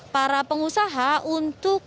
para pengusaha untuk